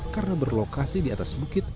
karena berlokasi di atas bukit